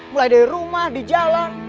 mulai dari rumah di jalan